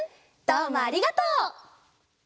どうもありがとう！